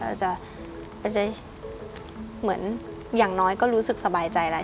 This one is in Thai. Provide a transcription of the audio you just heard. อาจจะเหมือนอย่างน้อยก็รู้สึกสบายใจแล้ว